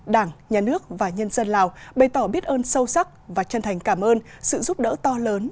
đảng nhà nước và nhân dân lào bày tỏ biết ơn sâu sắc và chân thành cảm ơn sự giúp đỡ to lớn